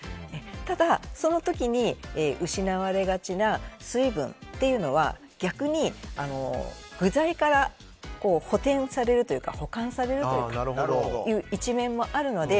ただ、その時に失われがちな水分というのは、逆に具材から補填されるというか補完されるという一面もありますので。